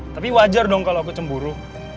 tapi wajar dong kalau aku cemburu